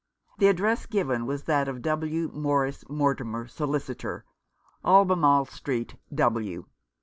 The address given was that of W Morris Mortimer, solicitor, Albemarle Street, W.